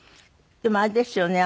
でもあれですよね。